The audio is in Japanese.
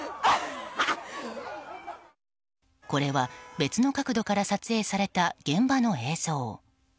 これは、別の角度から撮影された現場の映像。